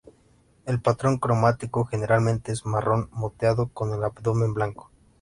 El patrón cromático generalmente es marrón moteado, con el abdomen blanco.